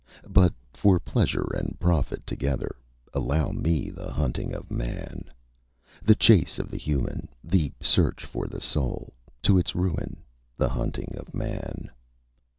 But, for pleasure and profit together, Allow me the hunting of Man, The chase of the Human, the search for the Soul To its ruin, the hunting of Man.